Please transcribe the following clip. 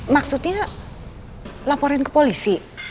maksudnya laporin ke polisi